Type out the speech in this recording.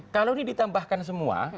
kalau ini ditambahkan semua